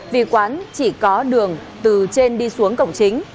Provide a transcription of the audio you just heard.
vì quán chỉ có đường từ trên đi xuống cổng chính